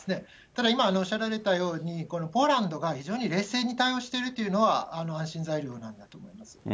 ただ今おっしゃられたように、このポーランドが非常に冷静に対応しているというのは、安心材料だと思います。